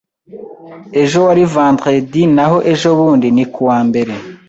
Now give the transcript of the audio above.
Ejo wari vendredi naho ejobundi ni kuwa mbere.